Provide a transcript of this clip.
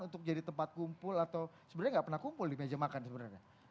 untuk jadi tempat kumpul atau sebenarnya nggak pernah kumpul di meja makan sebenarnya